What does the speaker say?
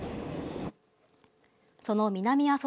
その南阿蘇